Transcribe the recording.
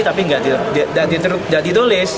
tapi tidak didulis